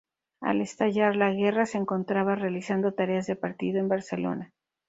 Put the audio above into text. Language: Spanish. Al estallar la guerra se encontraba realizando tareas de partido en Barcelona.